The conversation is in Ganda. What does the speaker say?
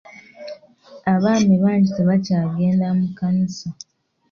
Abaami bangi tebakyagenda mu kkanisa.